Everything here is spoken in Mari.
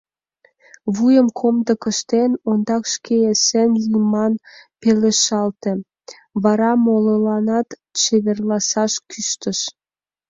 Вуйым комдык ыштен, ондак шке эсен лий ман пелештале, вара молыланат чеверласаш кӱштыш.